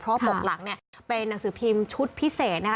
เพราะว่าปกหลังเนี่ยเป็นหนังสือพิมพ์ชุดพิเศษนะคะ